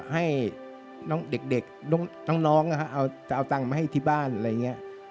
ให้น้องเด็กน้องจะเอาตังค์มาให้ที่บ้านอะไรอย่างนี้